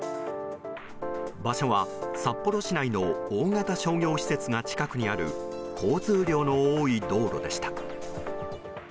場所は札幌市内の大型商業施設が近くにある交通量の多い道路でした。